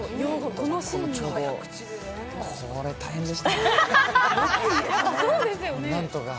これ、ホント大変でした。